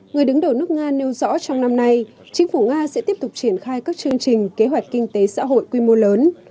người đứng đầu nước nga nêu rõ trong năm nay chính phủ nga sẽ tiếp tục triển khai các chương trình kế hoạch kinh tế xã hội quy mô lớn